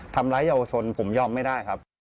ทำร้ายเยาวชนผมยอมไม่ได้ครับ